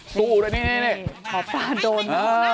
สู้ด้วยนี่หมอปลาโดน